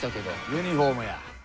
ユニフォームや。